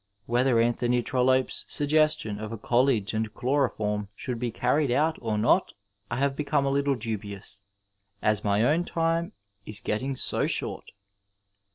Whether Anthony Trol lope's suggestion of a college and chlorofcNnn should be carried out or not I have become a little dubioos, as my own time is getting so short.